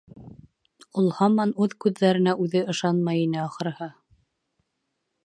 Ул һаман үҙ күҙҙәренә үҙе ышанмай ине, ахырыһы.